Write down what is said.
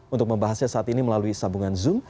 untuk membahasnya saat ini melalui sambungan zoom